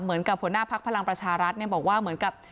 เหมือนกับหัวหน้าภักร์พลังประชารัฐเนี่ยบอกว่าเหมือนกับ